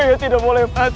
ayah tidak boleh mati